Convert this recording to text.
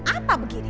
ibu macam apa begini